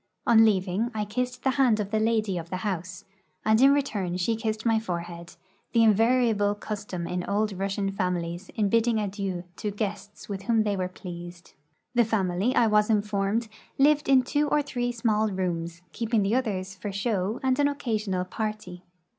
On leaving I kissed the hand of the lady of the house, and in return she kissed rny forehead, the invari able custom in old Russian families in l)idding adieu to guests with Avhom they were pleased. The family, I was informed, lived in two or three small rooms, keeping the others for show and an occasional party.